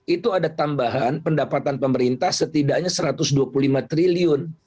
itu ada tambahan pendapatan pemerintah setidaknya rp satu ratus dua puluh lima triliun